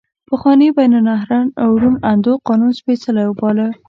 پخواني بین النهرین روڼ اندو قانون سپیڅلی وباله.